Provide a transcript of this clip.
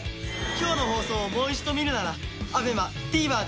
今日の放送をもう一度見るならＡＢＥＭＡＴＶｅｒで。